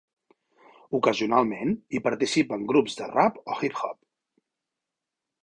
Ocasionalment hi participen grups de rap o hip hop.